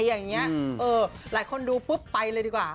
มันยังไงอย่างนี้หลายคนดูปุ๊บไปเลยดีกว่า